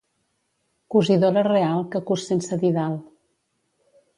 Cosidora real, que cus sense didal.